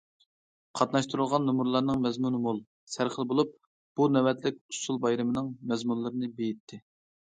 قاتناشتۇرۇلىدىغان نومۇرلارنىڭ مەزمۇنى مول، سەرخىل بولۇپ، بۇ نۆۋەتلىك ئۇسسۇل بايرىمىنىڭ مەزمۇنلىرىنى بېيىتتى.